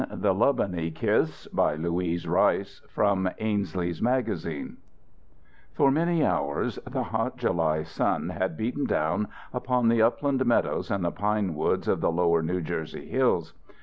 THE LUBBENY KISS BY LOUISE RICE From Ainslee's Magazine For many hours the hot July sun had beaten down upon the upland meadows and the pine woods of the lower New Jersey hills.